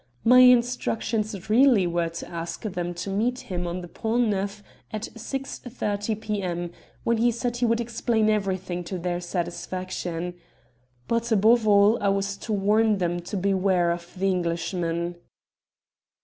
My instructions really were to ask them to meet him on the Pont Neuf at 6.30 p.m., when he said he would explain everything to their satisfaction. But, above all, I was to warn them to beware of the Englishman."